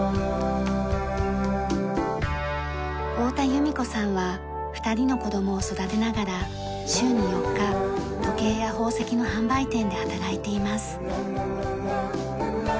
太田弓子さんは２人の子どもを育てながら週に４日時計や宝石の販売店で働いています。